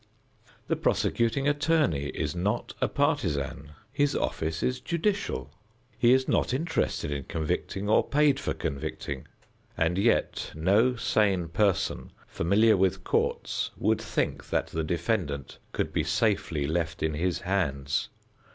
The prosecuting attorney is not a partisan. His office is judicial. He is not interested in convicting or paid for convicting, and yet, no sane person familiar with courts would think that the defendant could be safely left in his hands.